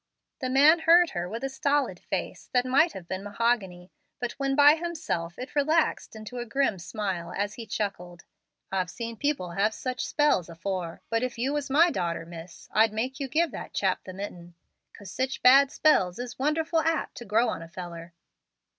The man heard her with a stolid face that might have been mahogany, but when by himself it relaxed into a grim smile as he chuckled, "I've seen people have such spells afore; but if you was my darter, miss, I'd make you give that chap the mitten, 'cause sich bad spells is wonderful apt to grow on a feller."